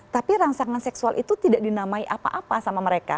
tapi rangsangan seksual itu tidak dinamai apa apa sama mereka